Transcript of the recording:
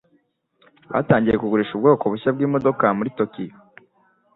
Batangiye kugurisha ubwoko bushya bwimodoka muri Tokiyo.